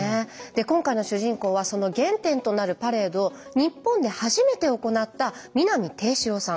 今回の主人公はその原点となるパレードを日本で初めて行った南定四郎さん。